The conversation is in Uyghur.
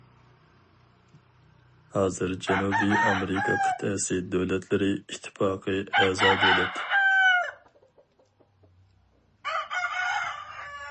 ھازىر جەنۇبىي ئامېرىكا قىتئەسى دۆلەتلىرى ئىتتىپاقى ئەزا دۆلەت.